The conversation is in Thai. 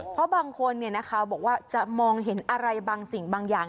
เพราะบางคนบอกว่าจะมองเห็นอะไรบางสิ่งบางอย่าง